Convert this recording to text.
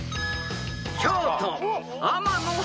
［京都］